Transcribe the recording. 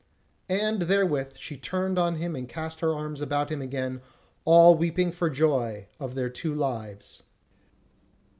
And therewith she turned on him and cast her arms about him again, all weeping for joy of their two lives.